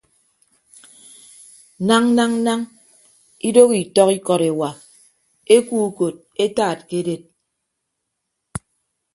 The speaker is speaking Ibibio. Nañ nañ nañ idooho itọk ikọt ewa ekuo ukot etaat ke edet.